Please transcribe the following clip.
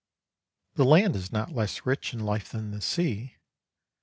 The land is not less rich in life than the sea.